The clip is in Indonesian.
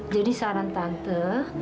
jadi saran tante